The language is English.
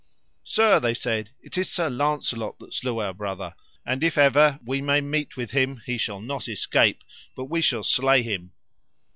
Sir, they said, it is Sir Launcelot that slew our brother, and if ever we may meet with him he shall not escape, but we shall slay him.